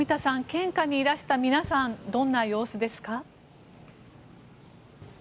献花にいらした皆さんはどんな様子ですか？